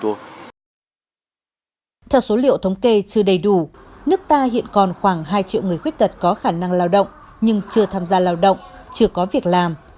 theo số liệu thống kê chưa đầy đủ nước ta hiện còn khoảng hai triệu người khuyết tật có khả năng lao động nhưng chưa tham gia lao động chưa có việc làm